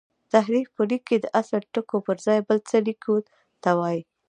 تحریف په لیک کښي د اصلي ټکو پر ځای بل څه لیکلو ته وايي.